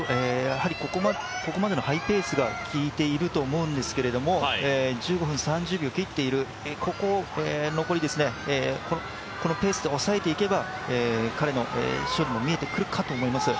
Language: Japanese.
ここまでのハイペースがきいていると思うんですけれども、１５分３０秒切っている、ここ残りこのペースでおさえていけば彼の勝利も見えてくるかと思います。